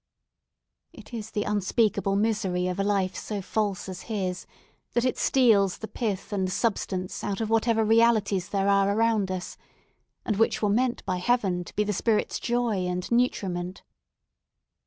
It is the unspeakable misery of a life so false as his, that it steals the pith and substance out of whatever realities there are around us, and which were meant by Heaven to be the spirit's joy and nutriment.